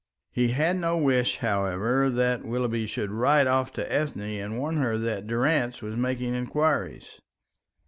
He had no wish, however, that Willoughby should write off to Ethne and warn her that Durrance was making inquiries.